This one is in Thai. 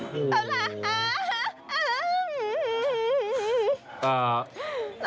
มาแล้ว